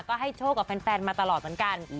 ก็ให้โชคกับแฟนมาตลอดเหมือนกัน